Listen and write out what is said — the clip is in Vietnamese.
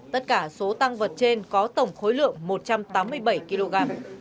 tất cả số tăng vật trên có tổng khối lượng một trăm tám mươi bảy kg